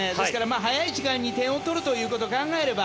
早い時間に点を取るということを考えれば